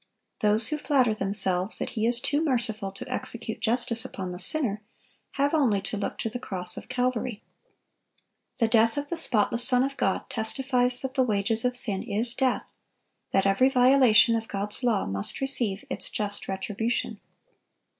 Those who flatter themselves that He is too merciful to execute justice upon the sinner, have only to look to the cross of Calvary. The death of the spotless Son of God testifies that "the wages of sin is death," that every violation of God's law must receive its just retribution.